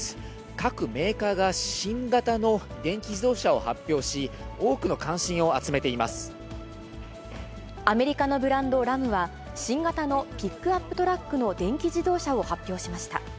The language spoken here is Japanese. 各メーカーが新型の電気自動車を発表し、多くの関心を集めていまアメリカのブランド、ラムは、新型のピックアップトラックの電気自動車を発表しました。